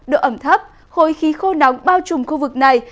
độ ẩm thấp khối khí khô nóng bao trùm khu vực này